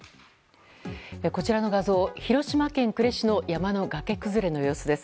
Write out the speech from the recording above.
こちらの画像、広島県呉市の山の崖崩れの様子です。